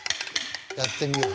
やってみよう。